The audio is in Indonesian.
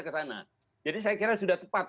ke sana jadi saya kira sudah tepat